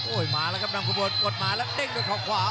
โอ้ยมาละครับนำคบวนกดหมาละเด้งด้วยข่าวขวา